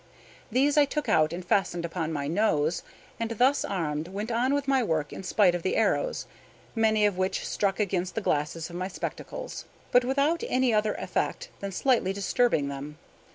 These I took out and fastened upon my nose, and thus armed went on with my work in spite of the arrows, many of which struck against the glasses of my spectacles, but without any other effect than slightly disturbing them.